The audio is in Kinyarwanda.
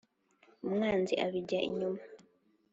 umwanzi abijya inyuma.